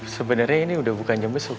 sebenernya ini udah bukan jam besar